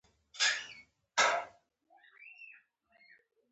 اومیل یا اوبل د هغوی له مشرانو څخه وو.